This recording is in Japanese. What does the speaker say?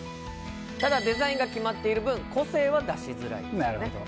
ただデザインが決まっている分個性は出しづらいですね。